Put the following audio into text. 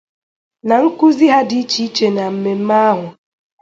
Na nkuzi ha dị iche iche na mmemme ahụ